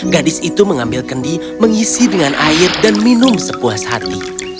gadis itu mengambil kendi mengisi dengan air dan minum sepuas hati